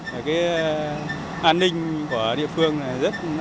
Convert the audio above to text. cái an ninh của địa bàn này thì rất yên tâm